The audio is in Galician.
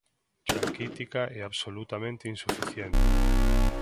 "Raquítica e absolutamente insuficiente".